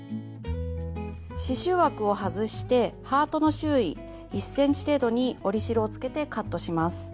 刺しゅう枠を外してハートの周囲１ｃｍ程度に折り代をつけてカットします。